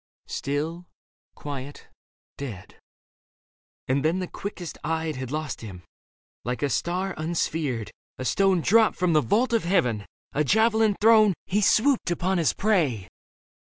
Still, quiet, dead ... and then the quickest eyed Had lost him. Like a star unsphered, a stone Dropped from the vault of heaven, a javelin thrown, He swooped upon his prey.